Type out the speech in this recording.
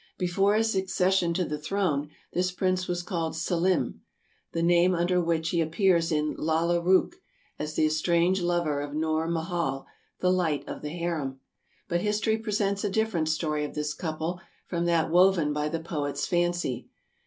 Before his accession to the throne this prince was called Selim, the name under which he ap pears in " Lalla Rookh " as the estranged lover of Noor Mahal, the " Light of the Harem." But history presents a different story of this couple from that woven by the poet's fancy.